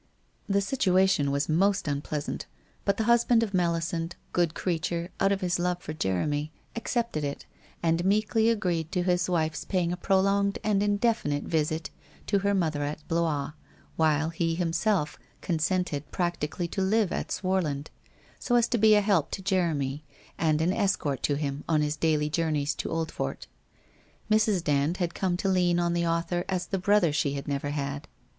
The situation was most unpleasant, but the husband of Melisande, good creature, out of his love for Jeremy, accepted it, and meekly agreed to his wife's paying a prolonged and indefinite visit to her mother at Blois, while he himself consented practically to live at Swarland, so as to be a help to Jeremy and an escort to him on his daily journeys to Oldfort. Mrs. Dand had come to lean on the author as the brother she had never had.